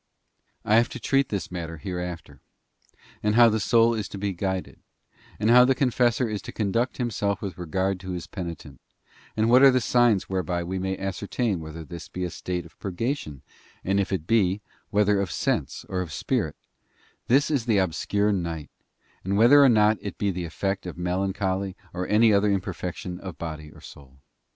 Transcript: T have to treat this matter hereafter, and how the soul is to be guided, and how the confessor is to conduct himself with regard to his penitent, and what are the signs whereby we may ascertain whether this be a state of purgation, and if it be, whether of sense or of spirit—this is the obscure night—and whether or not it be the effect of melancholy or any other imperfection of body or soul.